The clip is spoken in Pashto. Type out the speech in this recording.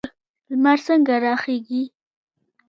لمر څنګه راخیږي؟